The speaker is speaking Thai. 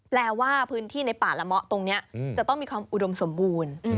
แปลว่าพื้นที่ในป่าละเมาะตรงนี้จะต้องมีความอุดมสมบูรณ์